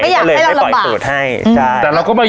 ไม่อยากให้เราลำบากก็เลยไม่ปล่อยสูตรให้ใช่แต่เราก็ไม่ยอดท้อ